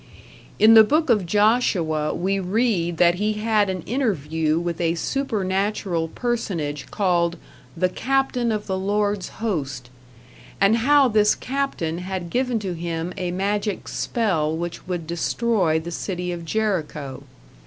In the Book of Joshua we read that he had an interview with a supernatural personage called "the captain of the Lord's host", and how this captain had given to him a magic spell which would destroy the city of Jericho.